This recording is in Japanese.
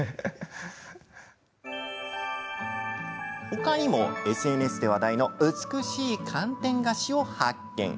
ほかにも、ＳＮＳで話題の美しい寒天菓子を発見。